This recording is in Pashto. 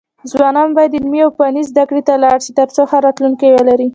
ځوانان بايد علمي او فني زده کړو ته لاړ شي، ترڅو ښه راتلونکی ولري.